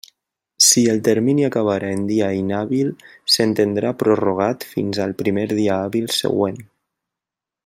Si el termini acabara en dia inhàbil, s'entendrà prorrogat fins al primer dia hàbil següent.